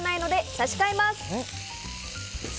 差し替えます！